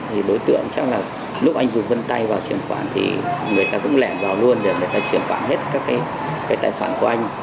thì đối tượng chắc là lúc anh dùng vân tay vào chuyển khoản thì người ta cũng lẻn vào luôn để người ta chuyển khoản hết các cái tài khoản của anh